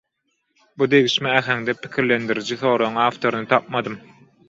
Bu degişme äheňde pikirlendiriji soragyň awtoryny tapmadym.